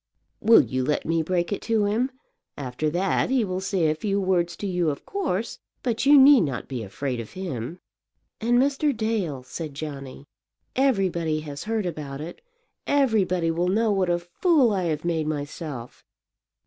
"Will you let me break it to him? After that he will say a few words to you of course, but you need not be afraid of him." "And Mr. Dale?" said Johnny. "Everybody has heard about it. Everybody will know what a fool I have made myself."